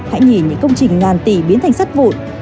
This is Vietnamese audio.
hãy nhìn những công trình ngàn tỷ biến thành sắt vụn